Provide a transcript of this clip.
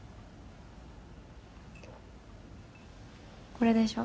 これでしょ。